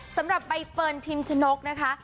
สำหรับใบเฟิร์นพิมชนกนะคะ